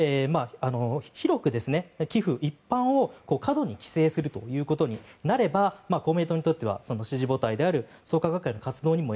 広く寄付、一般を過度に規制するということになれば公明党にとっては支持母体である創価学会の活動にも